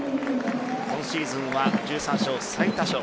今シーズンは１３勝、最多勝。